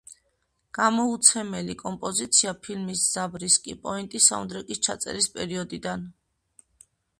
გამოუცემელი კომპოზიცია ფილმის „ზაბრისკი პოინტი“ საუნდტრეკის ჩაწერის პერიოდიდან.